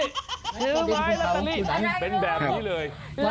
ชื่อไหมรัตตาลีเป็นแบบนี้เลย